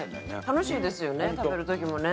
楽しいですよね食べるときもね。